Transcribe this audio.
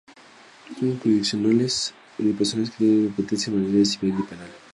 Son órganos jurisdiccionales unipersonales que tienen competencia en materia civil y penal.